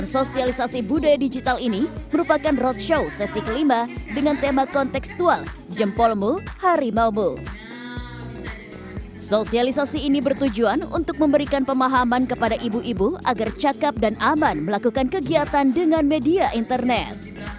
sosialisasi tersebut bertujuan agar ibu ibu cakep dan aman melakukan kegiatan dengan media internet